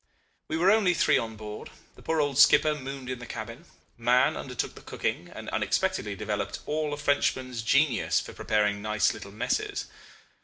We were only three on board. The poor old skipper mooned in the cabin. Mahon undertook the cooking, and unexpectedly developed all a Frenchman's genius for preparing nice little messes.